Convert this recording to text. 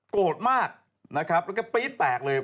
โกรธมากนะครับแล้วก็ปี๊ดแตกเลย